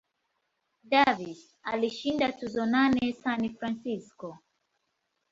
Davis alishinda tuzo nane San Francisco.